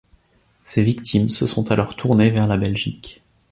Ses victimes se sont alors tournées vers la Belgique.